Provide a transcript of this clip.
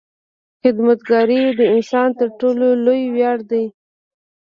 • خدمتګاري د انسان تر ټولو لوی ویاړ دی.